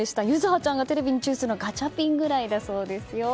柚羽ちゃんがテレビにチューするのはガチャピンくらいだそうですよ。